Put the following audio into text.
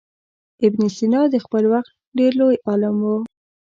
ابن سینا د خپل وخت ډېر لوی عالم و.